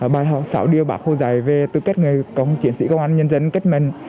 bài học sáu điêu bạc hô giải về tư kết người công chiến sĩ công an nhân dân kết mình